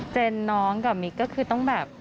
เจนน้องกับมิ๊กก็คือต้องแบบ